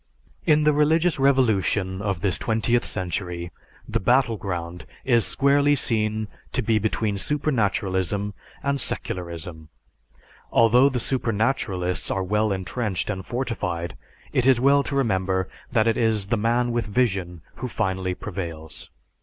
In the religious revolution of this twentieth century, the battle ground is squarely seen to be between supernaturalism and secularism. Although the supernaturalists are well entrenched and fortified, it is well to remember that it is the man with vision who finally prevails.